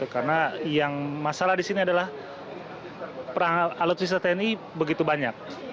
karena yang masalah di sini adalah alat wisata tni begitu banyak